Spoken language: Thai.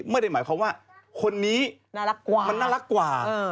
ไม่ได้หมายความว่าคนนี้มันน่ารักกว่า